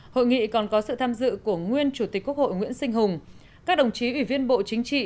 hội nghị còn có sự tham dự của nguyên chủ tịch quốc hội nguyễn sinh hùng các đồng chí ủy viên bộ chính trị